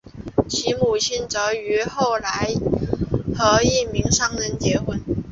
其母亲则于后来和一名商人结婚。